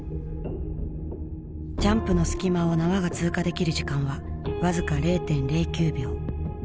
ジャンプの隙間を縄が通過できる時間は僅か０．０９秒。